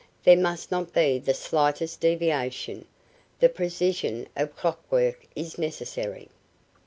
There must not be the slightest deviation. The precision of clock work is necessary."